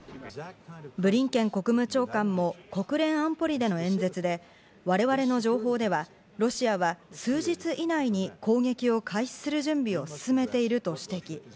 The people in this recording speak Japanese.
ブリンケン国務長官も国連安保理での演説で、我々の情報ではロシアは数日以内に攻撃を開始する準備を進めていると指摘。